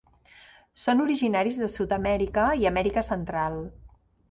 Són originaris de Sud-amèrica i Amèrica Central.